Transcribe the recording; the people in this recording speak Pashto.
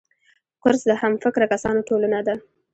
کورس د همفکره کسانو ټولنه ده.